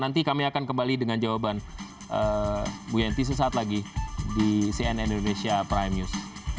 nanti kami akan kembali dengan jawaban bu yenty sesaat lagi di cnn indonesia prime news